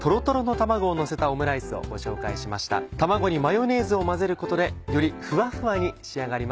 卵にマヨネーズを混ぜることでよりふわふわに仕上がります。